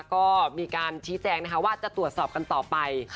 ก็มีการชี้แจงนะคะว่าจะตรวจสอบกันต่อไป